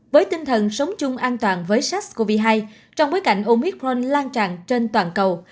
với tinh thần sống chung an toàn với sars cov hai trong bối cảnh omic cron lan tràn trên toàn cầu